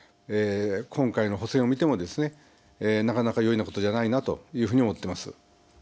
今回の補選を見てもなかなか容易なことではないなと思っています。